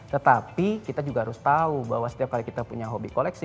tetapi kita juga harus tahu bahwa setiap kali kita punya hobi koleksi